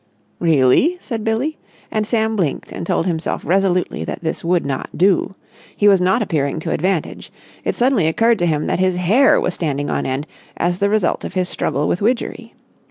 "Really?" said Billie, and Sam blinked and told himself resolutely that this would not do. He was not appearing to advantage. It suddenly occurred to him that his hair was standing on end as the result of his struggle with Widgery.